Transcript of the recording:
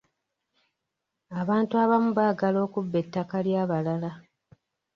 Abantu abamu baagala okubba ettaka ly'abalala.